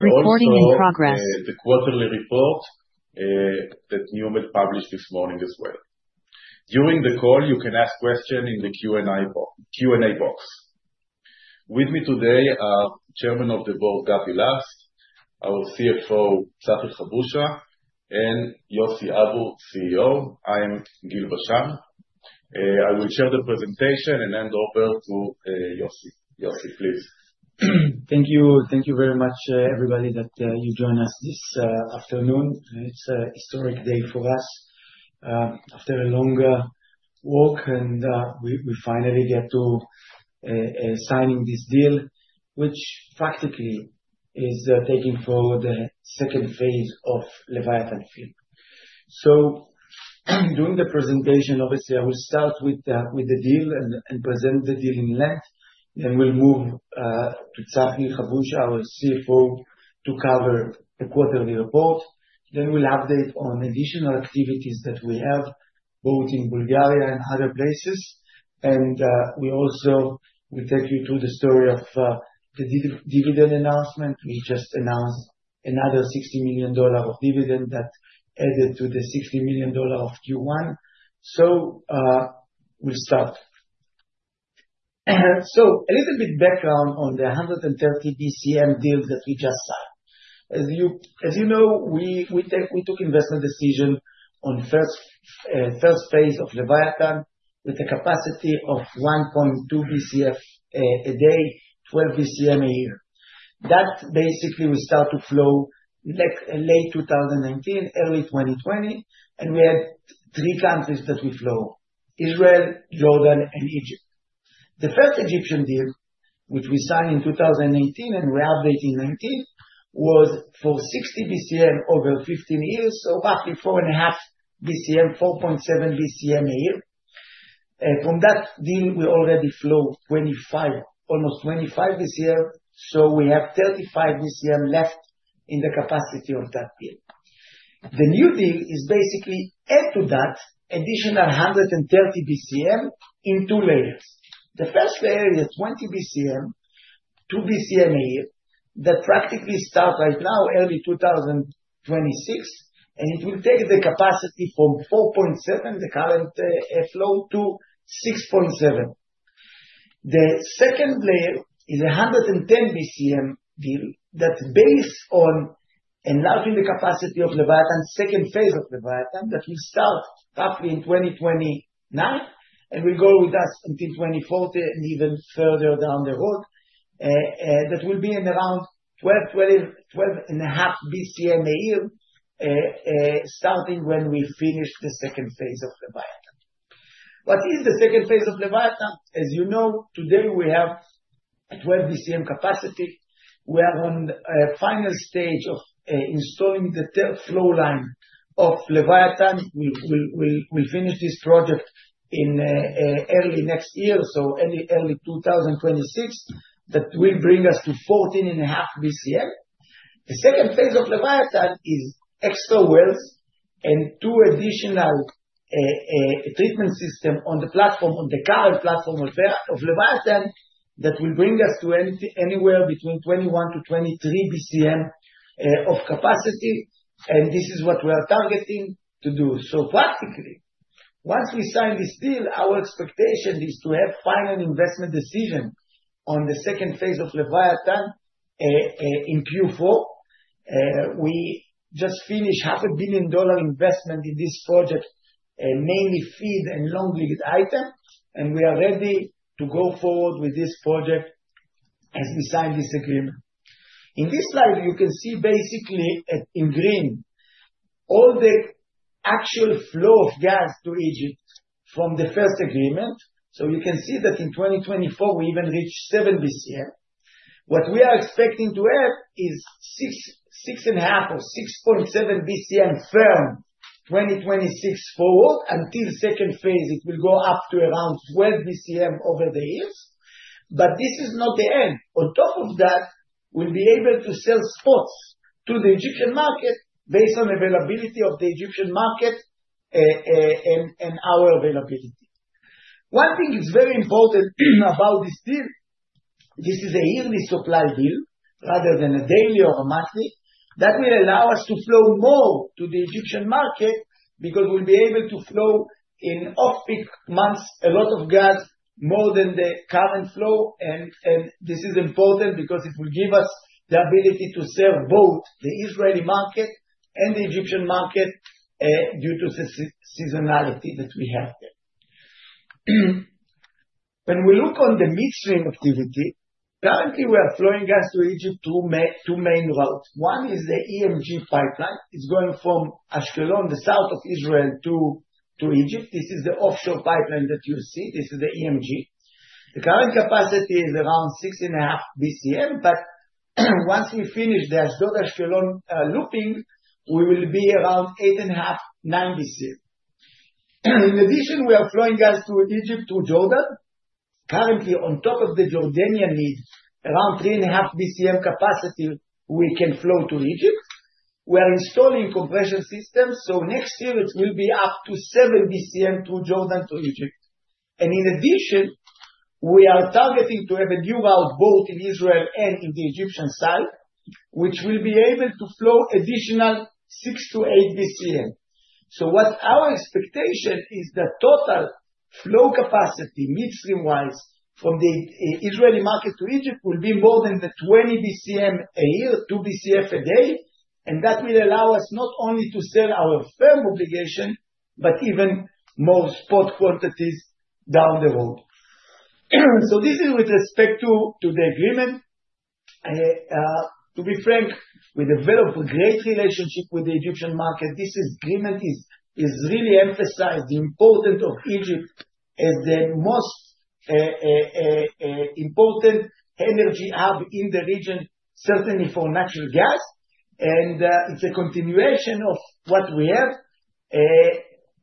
Recording in progress. The quarterly report that NewMed published this morning as well. During the call, you can ask questions in the Q&A box. With me today, Chairman of the Board Gabi Last, our CFO, Tzachi Habusha, and Yossi Abu, CEO, I am Guil Bashan. I will share the presentation and hand over to Yossi. Yossi, please. Thank you. Thank you very much, everybody, that you joined us this afternoon. It's a historic day for us. After a long walk, we finally get to signing this deal, which practically is taking forward the second phase of Leviathan Field. During the presentation, obviously, I will start with the deal and present the deal in length. We will move to Tzachi Habusha, our CFO, to cover the quarterly report. We will update on additional activities that we have, both in Bulgaria and other places. We also will take you through the story of the dividend announcement. We just announced another $60 million of dividend that added to the $60 million of Q1. We will start. A little bit of background on the 130 BCM deals that we just saw. As you know, we took an investment decision on the first phase of Leviathan with a capacity of 1.2 BCF a day, 12 BCM a year. That basically will start to flow like late 2019, early 2020. We had three countries that we flow: Israel, Jordan, and Egypt. The first Egyptian deal, which we signed in 2018 and we're updating in 2019, was for 60 BCM over 15 years, so roughly 4.5 BCM, 4.7 BCM a year. From that deal, we already flow 25, almost 25 BCM. We have 35 BCM left in the capacity of that deal. The new deal is basically add to that additional 130 BCM in two layers. The first layer, the 20 BCM, 2 BCM a year, that practically starts right now, early 2026. It will take the capacity from 4.7 BCM, the current flow, to 6.7 BCM. The second layer is a 110 BCM deal that's based on enlarging the capacity of Leviathan, second phase of Leviathan, that will start roughly in 2029 and will go with us until 2040 and even further down the road. That will be in around 12.5 BCM a year, starting when we finish the second phase of Leviathan. What is the second phase of Leviathan? As you know, today we have a 12 BCM capacity. We are on the final stage of installing the third flow line of Leviathan. We'll finish this project in early next year, so early 2026, that will bring us to 14.5 BCM. The second phase of Leviathan is extra wells and two additional treatment systems on the platform, on the current platform of Leviathan that will bring us to anywhere between 21 to 23 BCM of capacity. This is what we are targeting to do. Practically, once we sign this deal, our expectation is to have a final investment decision on the second phase of Leviathan in Q4. We just finished a half a billion dollar investment in this project, mainly FEED and long lead item. We are ready to go forward with this project as we sign this agreement. In this slide, you can see basically in green all the actual flow of gas to Egypt from the first agreement. You can see that in 2024, we even reached 7 BCM. What we are expecting to have is 6.5 BCM or 6.7 BCM firm 2026 forward until second phase. It will go up to around 12 BCM over the years. This is not the end. On top of that, we'll be able to sell spots to the Egyptian market based on the availability of the Egyptian market and our availability. One thing is very important about this deal. This is a yearly supply deal rather than a daily or a monthly. That will allow us to flow more to the Egyptian market because we'll be able to flow in off-peak months a lot of gas, more than the current flow. This is important because it will give us the ability to serve both the Israeli market and the Egyptian market due to the seasonality that we have here. When we look on the midstream activity, currently, we are flowing gas to Egypt through two main routes. One is the EMG pipeline. It's going from Ashkelon, the south of Israel, to Egypt. This is the offshore pipeline that you see. This is the EMG. The current capacity is around 6.5 BCM. Once we finish the Ashkelon looping, we will be around 8.5 BCM, 9 BCM. In addition, we are flowing gas to Egypt through Jordan. Currently, on top of the Jordanian needs, around 3.5 BCM capacity we can flow to Egypt. We are installing compression systems. Next year, it will be up to 7 BCM through Jordan to Egypt. In addition, we are targeting to have a new route both in Israel and in the Egyptian side, which will be able to flow additional 6 to 8 BCM. Our expectation is the total flow capacity midstream-wise from the Israeli market to Egypt will be more than 20 BCM a year, 2 BCF a day. That will allow us not only to sell our firm obligation, but even more spot quantities down the road. This is with respect to the agreement. To be frank, we developed a great relationship with the Egyptian market. This agreement has really emphasized the importance of Egypt as the most important energy hub in the region, certainly for natural gas. It's a continuation of what we have.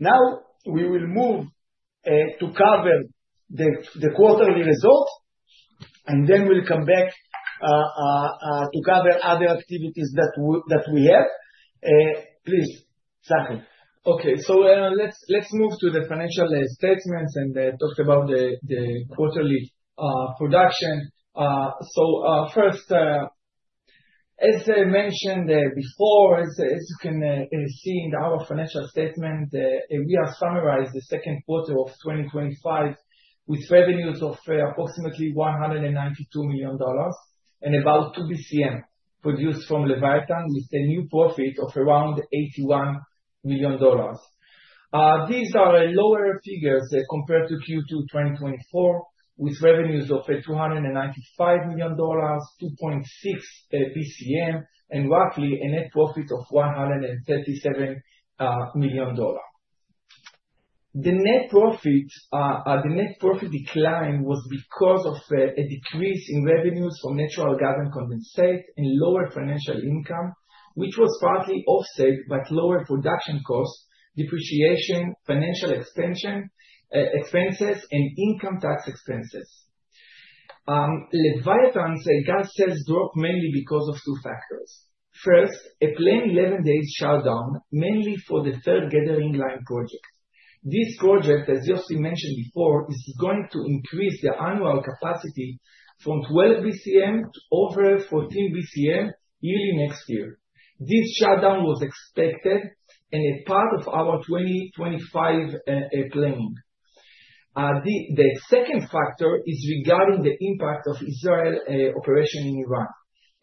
Now, we will move to cover the quarterly results. Then we'll come back to cover other activities that we have. Please, Tzachi. Okay. Let's move to the financial statements and talk about the quarterly production. First, as I mentioned before, as you can see in our financial statement, we have summarized the second quarter of 2025 with revenues of approximately $192 million and about 2 BCM produced from Leviathan with a net profit of around $81 million. These are lower figures compared to Q2 2024, with revenues of $295 million, 2.6 BCM, and roughly a net profit of $137 million. The net profit decline was because of a decrease in revenues from natural gas and condensate and lower financial income, which was partly offset by lower production costs, depreciation, financial expenses, and income tax expenses. Leviathan's gas sales dropped mainly because of two factors. First, a planned 11-day shutdown, mainly for the third gathering line project. This project, as Yossi Abu mentioned before, is going to increase the annual capacity from 12 BCM to over 14 BCM yearly next year. This shutdown was expected and a part of our 2025 plan. The second factor is regarding the impact of Israel's operation in Iran.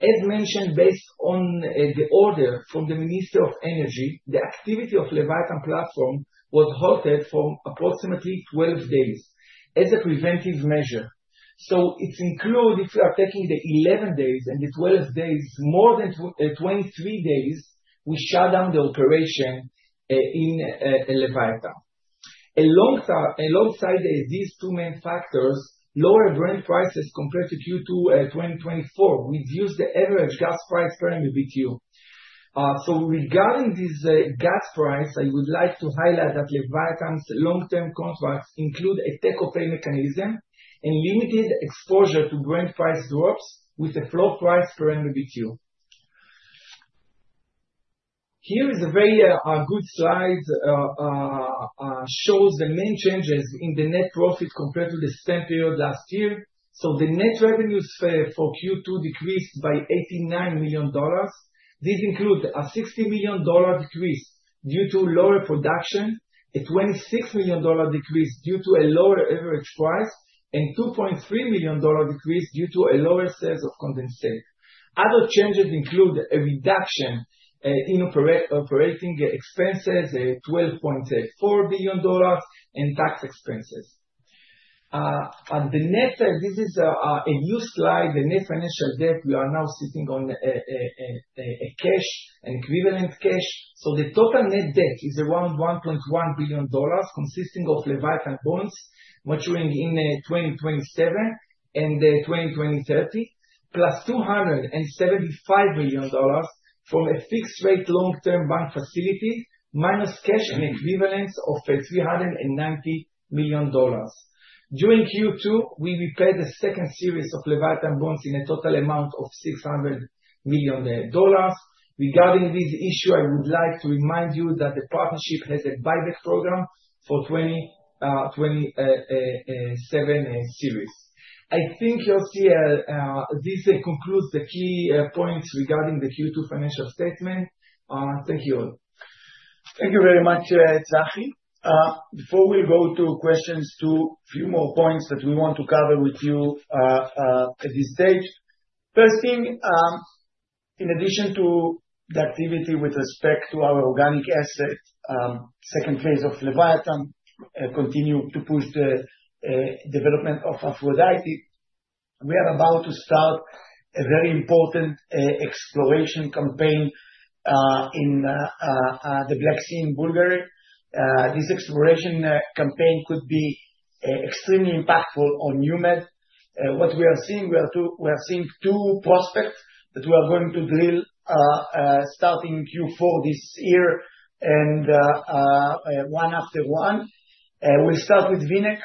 As mentioned, based on the order from the Ministry of Energy, the activity of the Leviathan platform was halted for approximately 12 days as a preventive measure. If you are taking the 11 days and the 12 days, more than 23 days, we shut down the operation in Leviathan. Alongside these two main factors, lower Brent prices compared to Q2 2024 reduced the average gas price per MBTU. Regarding this gas price, I would like to highlight that Leviathan's long-term contracts include a take-or-pay mechanism and limited exposure to Brent price drops with a floor price per MBTU. Here, the very good slide shows the main changes in the net profit compared to the same period last year. The net revenues for Q2 decreased by $89 million. This includes a $60 million decrease due to lower production, a $26 million decrease due to a lower average price, and a $2.3 million decrease due to lower sales of condensate. Other changes include a reduction in operating expenses, $12.4 million, and tax expenses. This is a new slide, the net financial debt we are now sitting on a cash, an equivalent cash. The total net debt is around $1.1 billion, consisting of Leviathan bonds maturing in 2027 and 2030, plus $275 million from a fixed-rate long-term bank facility minus cash and equivalents of $390 million. During Q2, we repaid the second series of Leviathan bonds in a total amount of $600 million. Regarding this issue, I would like to remind you that the partnership has a budget program for the 2027 series. I think, Yossi, this concludes the key points regarding the Q2 financial statement. Thank you. Thank you very much, Tzachi. Before we go to questions, there are a few more points that we want to cover with you at this stage. First thing, in addition to the activity with respect to our organic assets, the second phase of Leviathan continues to push the development of Aphrodite. We are about to start a very important exploration campaign in the Black Sea in Bulgaria. This exploration campaign could be extremely impactful on NewMed. What we are seeing, we are seeing two prospects that we are going to drill starting in Q4 this year and one after one. We'll start with Vnec.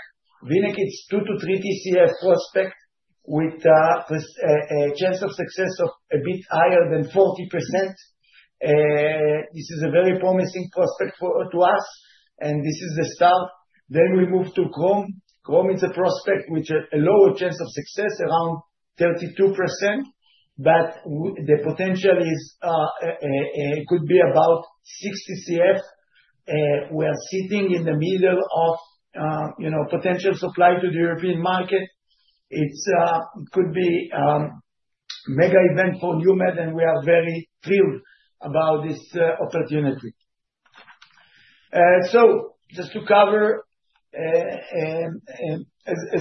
Vnec is a 2 to 3 TCF prospect with a chance of success of a bit higher than 40%. This is a very promising prospect to us, and this is the start. We move to Chrome. Chrome is a prospect with a lower chance of success, around 32%. The potential could be about 6 TCF. We are sitting in the middle of potential supply to the European market. It could be a mega event for NewMed, and we are very thrilled about this opportunity. Just to cover, as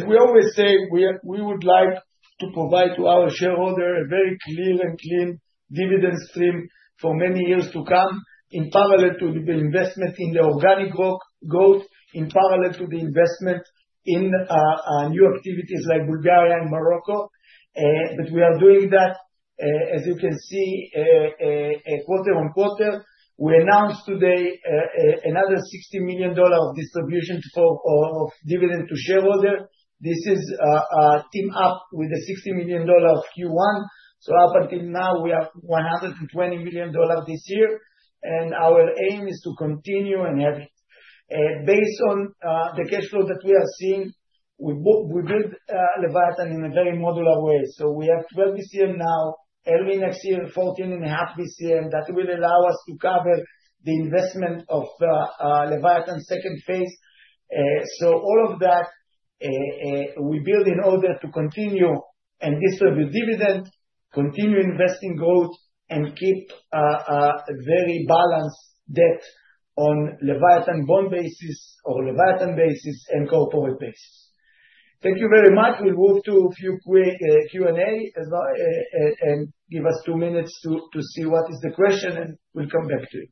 we always say, we would like to provide to our shareholders a very clear and clean dividend stream for many years to come in parallel to the investment in the organic growth, in parallel to the investment in new activities like Bulgaria and Morocco. We are doing that, as you can see, quarter on quarter. We announced today another $60 million of distribution of dividend to shareholders. This is a team-up with the $60 million of Q1. Up until now, we are $120 million this year. Our aim is to continue and have it. Based on the cash flow that we are seeing, we build Leviathan in a very modular way. We have 12 BCM now, early next year 14.5 BCM. That will allow us to cover the investment of Leviathan's second phase. All of that we build in order to continue and distribute dividend, continue investing growth, and keep a very balanced debt on Leviathan bond basis or Leviathan basis and corporate basis. Thank you very much. We'll move to a few Q&A as well and give us two minutes to see what is the question, and we'll come back to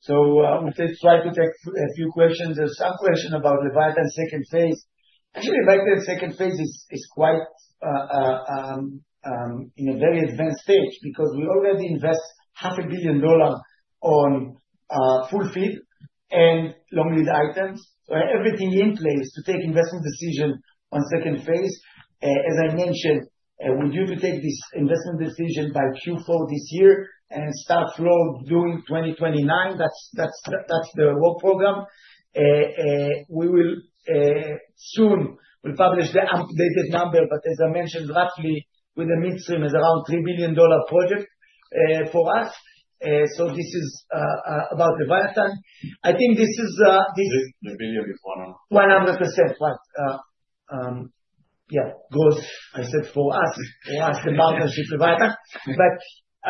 it. I'm going to try to take a few questions. There's some questions about Leviathan's second phase. I really like that second phase is quite in a very advanced phase because we already invest half a billion dollars on full feed and long lead items. Everything in place to take an investment decision on the second phase. As I mentioned, we're due to take this investment decision by Q4 this year and start flow during 2029. That's the work program. We will soon publish the updated number, but as I mentioned, roughly with the midstream is around $3 billion project for us. This is about Leviathan. I think this is, 100%, right. Yeah, goals, I said, for us, the partnership with Leviathan.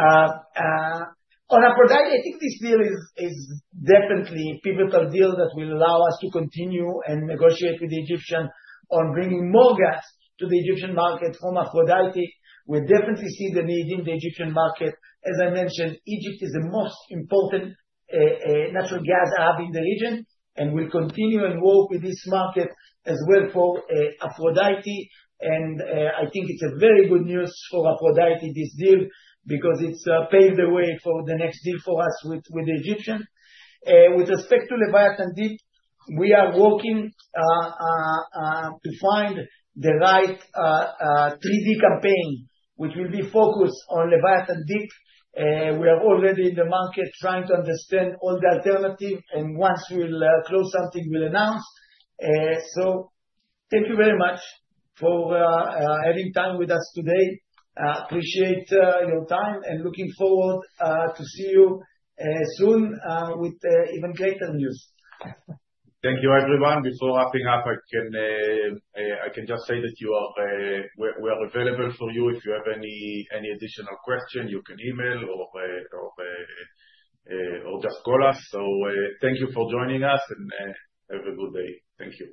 On Aphrodite, I think this deal is definitely a pivotal deal that will allow us to continue and negotiate with the Egyptian on bringing more gas to the Egyptian market from Aphrodite. We definitely see the need in the Egyptian market. As I mentioned, Egypt is the most important natural gas hub in the region, and we'll continue and work with this market as well for Aphrodite. I think it's very good news for Aphrodite, this deal, because it paved the way for the next deal for us with the Egyptian. With respect to Leviathan Deep, we are working to find the right 3D campaign, which will be focused on Leviathan Deep. We are already in the market trying to understand all the alternatives, and once we close something, we'll announce. Thank you very much for having time with us today. Appreciate your time and looking forward to see you soon with even greater news. Thank you, everyone. Before wrapping up, I can just say that we're available for you. If you have any additional questions, you can email or just call us. Thank you for joining us, and have a good day. Thank you.